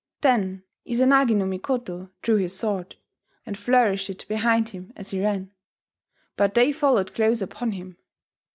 Then Izanagi no Mikoto drew his sword, and flourished it behind him as he ran. But they followed close upon him.